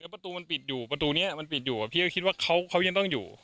ประตูมันปิดอยู่ประตูนี้มันปิดอยู่พี่ก็คิดว่าเขายังต้องอยู่